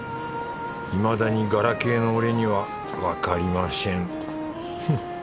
いまだにガラケーの俺にはわかりましぇんフッ